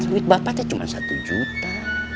duit bapaknya cuma satu juta